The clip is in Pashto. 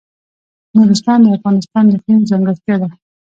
نورستان د افغانستان د اقلیم ځانګړتیا ده.